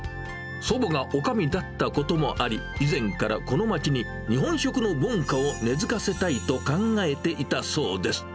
祖母がおかみだったこともあり、以前からこの街に日本食の文化を根づかせたいと考えていたそうです。